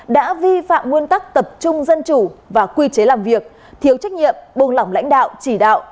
đã vi phạm nguyên tắc tập trung dân chủ và quy chế làm việc thiếu trách nhiệm buông lỏng lãnh đạo chỉ đạo